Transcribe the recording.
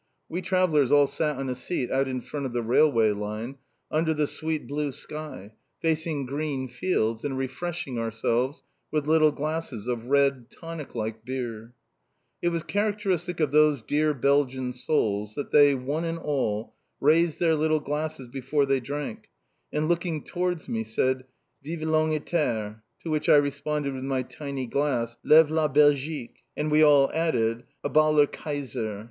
We travellers all sat on a seat out in front of the railway line, under the sweet blue sky, facing green fields, and refreshed ourselves with little glasses of red, tonic like Byrrh. It was characteristic of those dear Belgian souls that they one and all raised their little glasses before they drank, and looking towards me said, "Vive l'Angleterre!" To which I responded with my tiny glass, "Léve la Belgique!" And we all added, "_A bas le Kaiser!